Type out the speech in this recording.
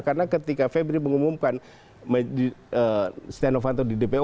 karena ketika febri mengumumkan setia novanto di dpo